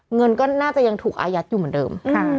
เงินก็น่าจะยังถูกอายัดอยู่เหมือนเดิม